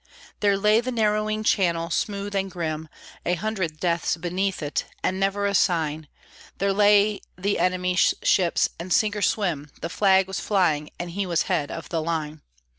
There lay the narrowing channel, smooth and grim, A hundred deaths beneath it, and never a sign; There lay the enemy's ships, and sink or swim The flag was flying, and he was head of the line.